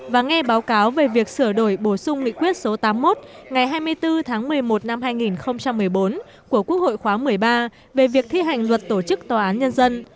và nghe báo cáo về việc sửa đổi bổ sung nghị quyết số tám mươi một ngày hai mươi bốn tháng một mươi một năm hai nghìn một mươi bốn của quốc hội khóa một mươi ba về việc thi hành luật tổ chức tòa án nhân dân